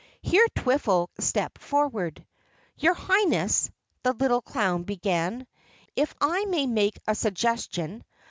Here Twiffle stepped forward. "Your Highness," the little clown began, "if I may make a suggestion.